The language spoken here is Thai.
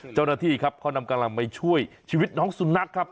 เจ้าหน้าที่ครับเขานำกำลังไปช่วยชีวิตน้องสุนัขครับ